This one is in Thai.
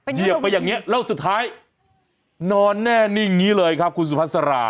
เหยียบไปอย่างนี้แล้วสุดท้ายนอนแน่นิ่งอย่างนี้เลยครับคุณสุภาษา